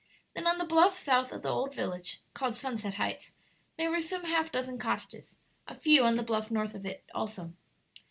Then on the bluff south of the old village, called Sunset Heights, there were some half dozen cottages; a few on the bluff north of it, also.